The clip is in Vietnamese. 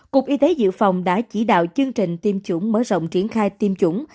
cục y tế dược phẩm đã chỉ đạo chương trình tiêm chủng mở rộng triển khai tiêm chủng